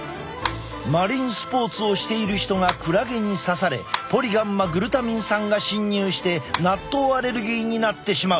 マリンスポーツをしている人がクラゲに刺されポリガンマグルタミン酸が侵入して納豆アレルギーになってしまう。